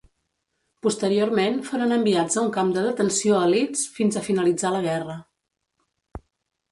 Posteriorment foren enviats a un camp de detenció a Leeds fins a finalitzar la guerra.